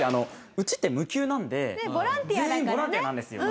うちって無給なので全員ボランティアなんですよ。